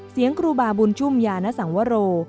เสียงกรุบาบุญชุมยานสังวโร